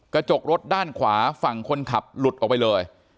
กระจกรถด้านขวาฝั่งคนขับหลุดออกไปเลย